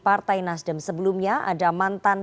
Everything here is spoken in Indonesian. partai nasdem sebelumnya ada mantan